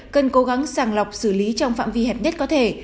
cần cố gắng sàng lọc xử lý trong phạm vi hẹp nhất có thể